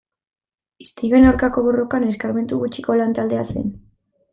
Istiluen aurkako borrokan eskarmentu gutxiko lan-taldea zen.